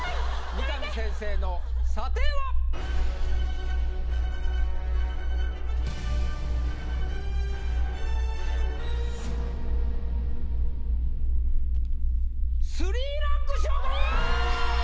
三上先生の査定は⁉３ランク昇格！